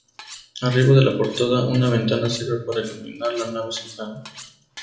Arriba de la portada una ventana sirve para iluminar la nave central.